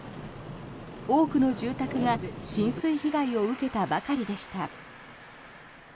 多くの住宅が浸水被害を受けたばかりでした。